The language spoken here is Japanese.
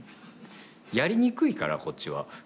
やりにくいからこっちは。